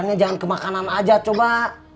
ini jangan ke makanan aja coba